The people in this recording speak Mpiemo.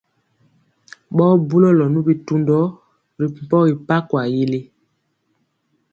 Ɓɔɔ bulɔlɔ nu bitundɔ ri pɔgi mpankwa yili.